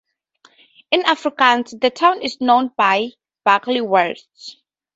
In Afrikaans the town is known as Barkly-Wes.